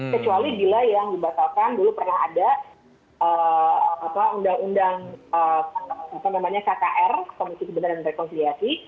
kecuali bila yang dibatalkan dulu pernah ada undang undang kkr komisi kebenaran dan rekonsiliasi